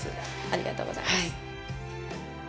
ありがとうございます。